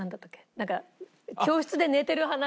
なんか教室で寝てる話。